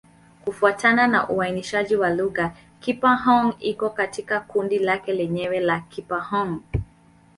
Kufuatana na uainishaji wa lugha, Kipa-Hng iko katika kundi lake lenyewe la Kipa-Hng.